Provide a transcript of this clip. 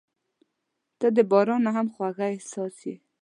• ته د باران نه هم خوږه احساس یې.